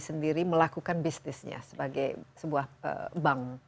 sendiri melakukan bisnisnya sebagai sebuah bank